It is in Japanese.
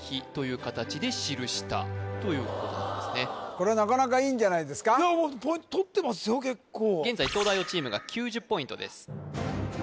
これはなかなかいいんじゃないですかポイントとってますよ結構現在１０ポイント差やん